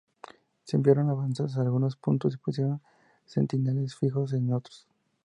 Se enviaron avanzadas a algunos puntos y pusieron centinelas fijos en otros.